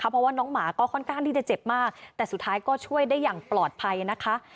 เพราะว่าน้องหมาก็ค่อนข้างที่จะเจ็บมากแต่สุดท้ายก็ช่วยได้อย่างปลอดภัยนะคะ